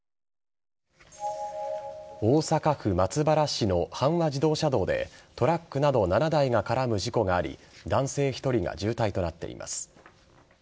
大阪府松原市の阪和自動車道でトラックなど７台が絡む事故があり男性１人が重体となっています。